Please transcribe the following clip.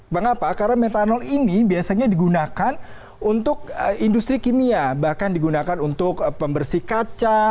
mengapa karena metanol ini biasanya digunakan untuk industri kimia bahkan digunakan untuk pembersih kaca